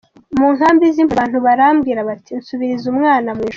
Mu nkambi z’impunzi, abantu barambwira bati: “Nsubiriza umwana mu ishuri.